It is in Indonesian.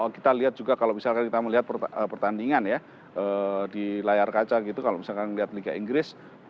kita lihat juga kalau misalkan kita melihat pertandingan ya di layar kaca gitu kalau misalkan lihat liga inggris